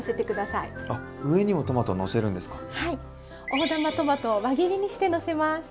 大玉トマトを輪切りにしてのせます。